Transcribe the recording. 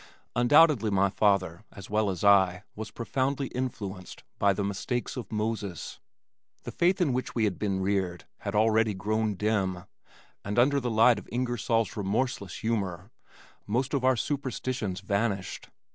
Undoubtedly my father as well as I was profoundly influenced by "The Mistakes of Moses." The faith in which we had been reared had already grown dim, and under the light of Ingersoll's remorseless humor most of our superstitions vanished.